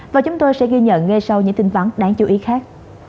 và chúng tôi sẽ ghi nhận ngay sau những tin ván đáng chú ý khác